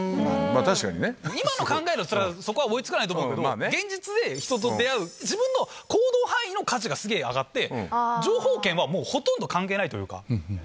今の考えだったら、そこは追いつかないと思うけど、現実で人と出会う、自分の行動範囲の価値がすげぇ上がって、情報源はもうほとんど関係ないというか。